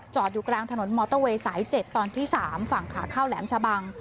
อยู่กลางถนนมอเตอร์เวย์สาย๗ตอนที่๓ฝั่งขาเข้าแหลมชะบัง